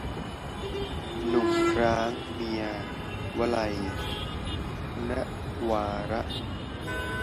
หนุ่มร้างเมีย - วลัย นวาระ